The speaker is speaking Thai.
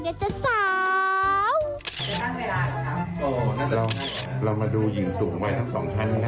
เรามาดูหยืนสูงไวท์ทั้งสองท่านนะ